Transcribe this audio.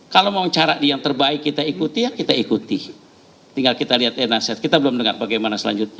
kalau mau cara yang terbaik kita ikuti ya kita ikuti tinggal kita lihat nasihat kita belum dengar bagaimana selanjutnya